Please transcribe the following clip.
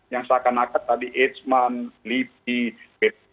yang seakan akan tadi ejman lipi betul